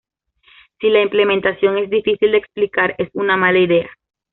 Si la implementación es difícil de explicar, es una mala idea.